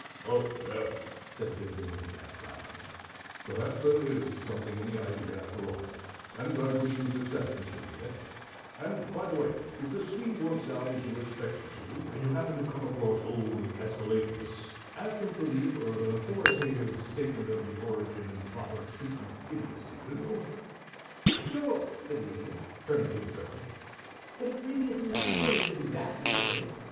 "Oh, well," said the Bibliomaniac, rising, "perhaps there is something in the idea after all, and I wish you success, Mr. Idiot and, by the way, if the scheme works out as you expect it to, and you happen to come across old Æsculapius, ask him for me for an authoritative statement of the origin and proper treatment of idiocy, will you?" "Sure," said the Idiot, turning to his breakfast, "but it really isn't necessary to do that, Mr. Bib.